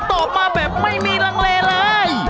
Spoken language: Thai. ตอบมาแบบไม่มีลังเลเลย